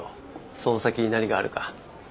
その先に何があるか。